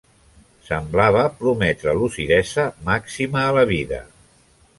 Semblava prometre lucidesa màxima a la vida.